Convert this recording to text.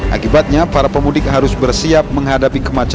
akibatnya para pemudik harus bersiap menghadapi kemacetan